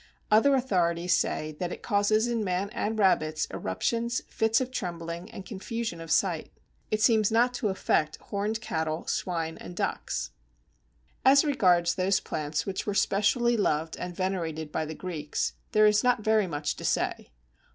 Other authorities say that it causes in man and rabbits eruptions, fits of trembling, and confusion of sight. It seems not to affect horned cattle, swine, and ducks. As regards those plants which were specially beloved and venerated by the Greeks, there is not very much to say.